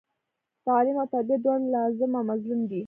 تعلم او تربیه دواړه لاظم او ملظوم دي.